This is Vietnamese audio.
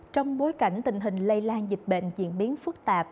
trong bối cảnh tình hình lây lan dịch bệnh diễn biến phức tạp